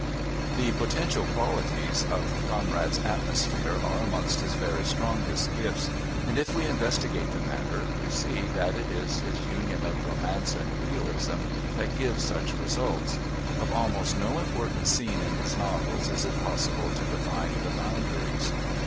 The potential qualities of Conrad's atmosphere are amongst his very strongest gifts and, if we investigate the matter, we see that it is his union of Romance and Realism that gives such results. Of almost no important scene in his novels is it possible to define the boundaries.